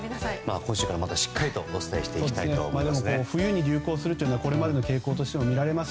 今週からまたしっかりとお伝えしていきたいと思います。